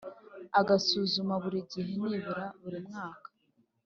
a gusuzuma buri gihe nibura buri mwaka